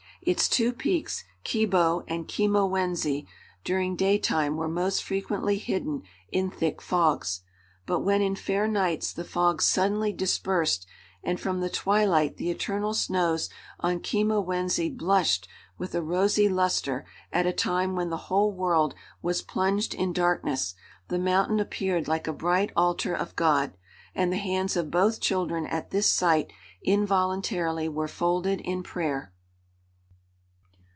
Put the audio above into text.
Its two peaks, Kibo and Kima Wenze, during daytime were most frequently hidden in thick fogs. But when in fair nights the fogs suddenly dispersed and from the twilight the eternal snows on Kima Wenze blushed with a rosy luster at a time when the whole world was plunged in darkness, the mountain appeared like a bright altar of God, and the hands of both children at this sight involuntarily were folded in prayer.